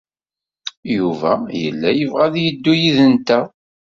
Yuba yella yebɣa ad yeddu yid-nteɣ.